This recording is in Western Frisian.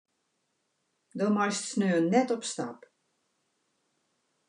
Do meist sneon net op stap.